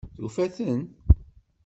Tufa-ten?